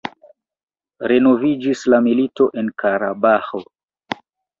Renoviĝis la milito en Karabaĥo.